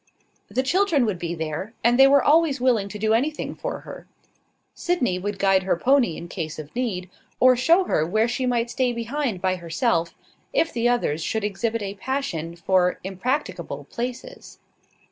The children would be there; and they were always willing to do anything for her. Sydney would guide her pony in case of need, or show her where she might stay behind by herself, if the others should exhibit a passion for impracticable places.